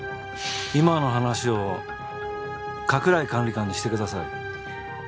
今の話を加倉井管理官にしてください。